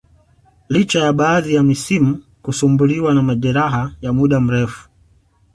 licha ya baadhi ya misimu kusumbuliwa na majeraha ya muda mrefu